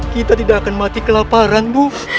kita tidak akan mati kelaparan bu